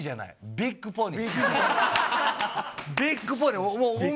ビッグポニー。